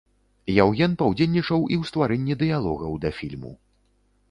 Яўген паўдзельнічаў і ў стварэнні дыялогаў да фільму.